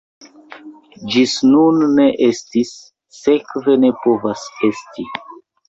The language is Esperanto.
Ĝis nun ne estis, sekve ne povas esti!